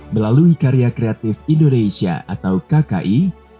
melalui karya kreatif indonesia atau kki